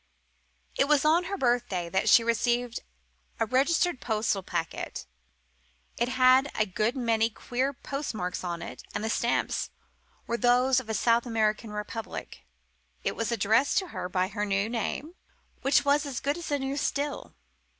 It was on her birthday that she received a registered postal packet. It had a good many queer postmarks on it, and the stamps were those of a South American republic. It was addressed to her by her new name, which was as good as new still.